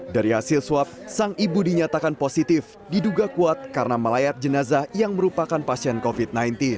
dari hasil swab sang ibu dinyatakan positif diduga kuat karena melayat jenazah yang merupakan pasien covid sembilan belas